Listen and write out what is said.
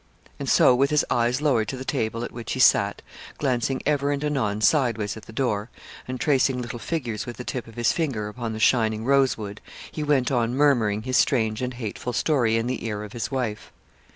And so, with his eyes lowered to the table at which he sat, glancing ever and anon sideways at the door, and tracing little figures with the tip of his finger upon the shining rosewood, he went on murmuring his strange and hateful story in the ear of his wife.